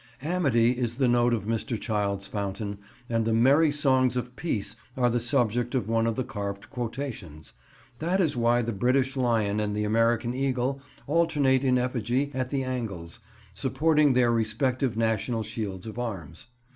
Amity is the note of Mr. Childs' fountain, and the "merry songs of peace" are the subject of one of the carved quotations: that is why the British Lion and the American Eagle alternate in effigy at the angles, supporting their respective national shields of arms.